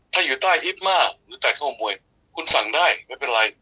ถ้าอยู่ใต้อิฟท์มาฯหรือใต้ของมวย